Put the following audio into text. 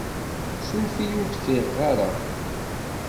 Sureft-iyi ur d-fiɣeɣ ara.